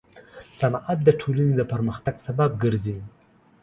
صنعت د ټولنې د پرمختګ سبب ګرځي.